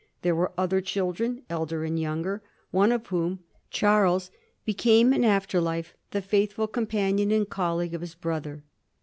There were other children, elder and younger; one of whom, Charles, became in after life the faithful companion and colleague of his brother.